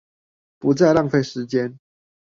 不再浪費時間